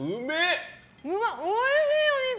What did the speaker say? おいしい、お肉！